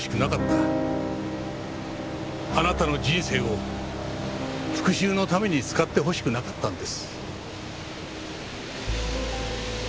あなたの人生を復讐のために使ってほしくなかったんです。